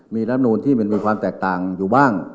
มีรับนูนที่มันมีความแตกต่างอยู่บ้าง